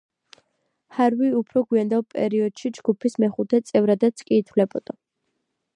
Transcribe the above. ჰარვი უფრო გვიანდელ პერიოდში ჯგუფის მეხუთე წევრადაც კი ითვლებოდა.